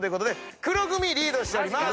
黒組リードしております。